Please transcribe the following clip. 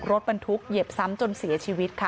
รถบรรทุกเหยียบซ้ำจนเสียชีวิตค่ะ